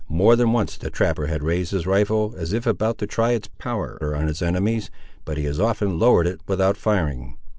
More than once the trapper had raised his rifle, as if about to try its power on his enemies, but he as often lowered it, without firing.